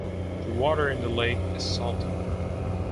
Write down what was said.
The water in the lake is salty.